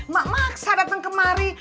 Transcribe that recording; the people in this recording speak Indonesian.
mak maksa dateng kemari